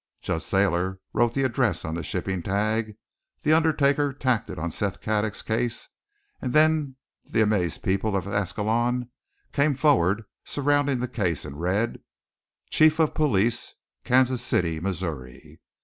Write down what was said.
Judge Thayer wrote the address on the shipping tag, the undertaker tacked it on Seth Craddock's case, and then the amazed people of Ascalon came forward surrounding the case, and read: Chief of Police, Kansas City, Missouri.